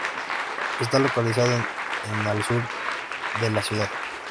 Está localizado en al sur de la ciudad.